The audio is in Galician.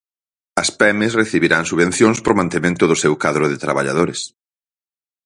As pemes recibirán subvencións por mantemento do seu cadro de traballadores.